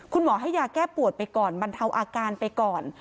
คุณหมอให้ยาแก้ปวดไปก่อนบรรเทาอาการไปก่อน